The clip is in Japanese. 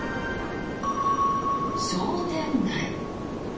商店街。